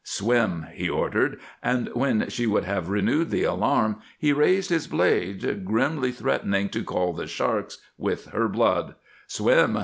"Swim!" he ordered, and, when she would have renewed the alarm, he raised his blade, grimly threatening to call the sharks with her blood. "Swim!"